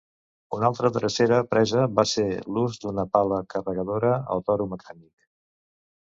Una altra drecera presa va ser l'ús d'una pala carregadora o toro mecànic.